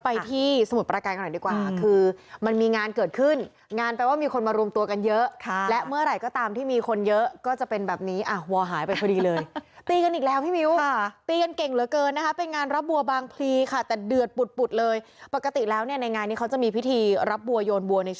ไปที่สมุทรประการกันหน่อยดีกว่าคือมันมีงานเกิดขึ้นงานแปลว่ามีคนมารวมตัวกันเยอะค่ะและเมื่อไหร่ก็ตามที่มีคนเยอะก็จะเป็นแบบนี้อ่ะวัวหายไปพอดีเลยตีกันอีกแล้วพี่มิ้วค่ะตีกันเก่งเหลือเกินนะคะเป็นงานรับบัวบางพลีค่ะแต่เดือดปุดปุดเลยปกติแล้วเนี่ยในงานนี้เขาจะมีพิธีรับบัวโยนบัวใน